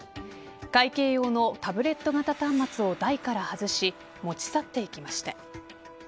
会計用のタブレット型端末を台から外し持ち去っていきました。